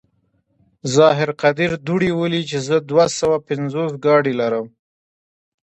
ظاهر قدير دوړې ولي چې زه دوه سوه پينځوس ګاډي لرم.